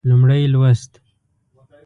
لومړی لوست